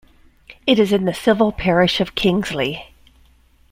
It is in the civil parish of Kingsey.